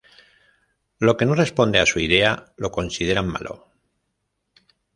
Lo que no responde a su idea, lo consideran malo.